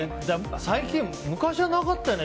昔はなかったよね